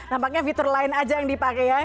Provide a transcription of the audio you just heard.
nampaknya fitur lain aja yang dipakai ya